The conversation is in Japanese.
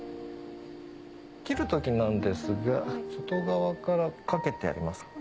切る時なんですが外側からかけてやります。